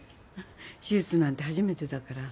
手術なんて初めてだから。